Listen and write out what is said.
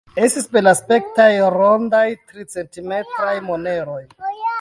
Estis belaspektaj rondaj, tricentimetraj moneroj.